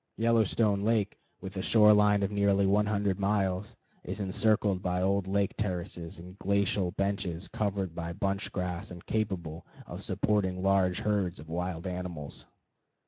Yellowstone Lake, with a shore line of nearly 100 miles, is encircled by old lake terraces and glacial benches covered with bunch grass and capable of supporting large herds of wild animals.